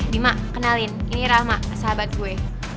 bima kenalin ini rahma sahabat gue